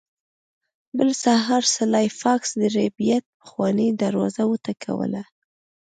بل سهار سلای فاکس د ربیټ پخوانۍ دروازه وټکوله